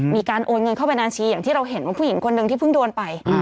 มีการโอนเงินเข้าบัญชีอย่างที่เราเห็นว่าผู้หญิงคนหนึ่งที่เพิ่งโดนไป